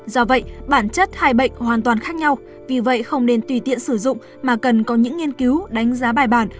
do vậy bản chất hai bệnh hoàn toàn khác nhau vì vậy không nên tùy tiện sử dụng mà cần có những nghiên cứu đánh giá bài bản